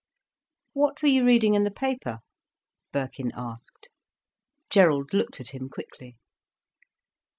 "What were you reading in the paper?" Birkin asked. Gerald looked at him quickly.